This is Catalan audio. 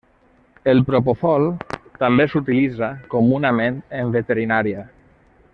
El propofol també s'utilitza comunament en veterinària.